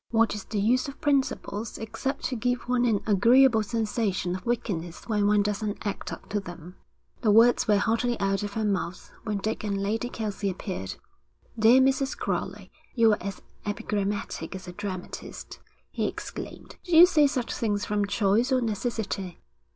'What is the use of principles except to give one an agreeable sensation of wickedness when one doesn't act up to them?' The words were hardly out of her mouth when Dick and Lady Kelsey appeared. 'Dear Mrs. Crowley, you're as epigrammatic as a dramatist,' he exclaimed. 'Do you say such things from choice or necessity?'